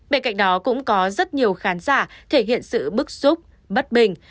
bên cạnh đó cũng có rất nhiều khán giả thể hiện sự bức xúc bất bình